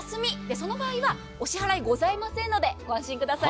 その場合はお支払いございませんのでご安心ください。